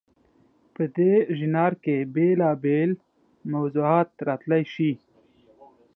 په دې ژانر کې بېلابېل موضوعات راتلی شي.